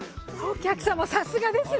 お客様さすがです。